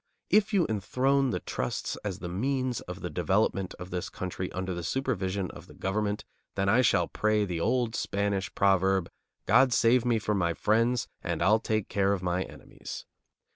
If you enthrone the trusts as the means of the development of this country under the supervision of the government, then I shall pray the old Spanish proverb, "God save me from my friends, and I'll take care of my enemies."